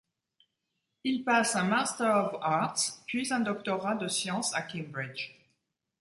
Il passe un Master of Arts puis un doctorat de science à Cambridge.